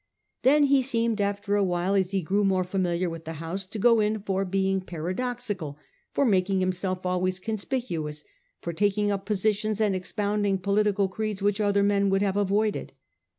Then he seemed after a while, as he grew more familiar with the House, to go in for being paradoxical; for making himself always conspicuous ; for taking up positions and expounding political creeds which other men would have avoided.